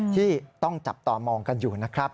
ที่ต้องจับตามองกันอยู่นะครับ